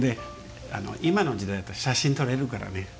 今の時代だと写真撮れるからね。